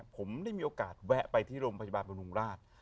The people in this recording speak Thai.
ผมได้มีโอกาสแวะไปที่โรงพยาบาลบำรุงราช